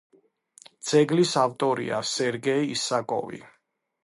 ძეგლის ავტორია სერგეი ისაკოვი.